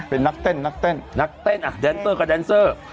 เป็นนักเต้นนักเต้นนักเต้นอ่ะแดนเซอร์กับแดนเซอร์